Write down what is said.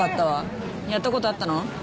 やったことあったの？